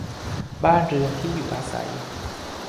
บ้านเรือนที่อยู่อาศัย